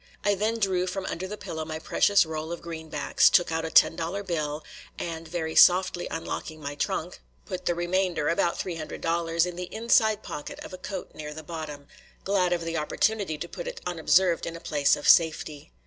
I then drew from under the pillow my precious roll of greenbacks, took out a ten dollar bill, and, very softly unlocking my trunk, put the remainder, about three hundred dollars, in the inside pocket of a coat near the bottom, glad of the opportunity to put it unobserved in a place of safety.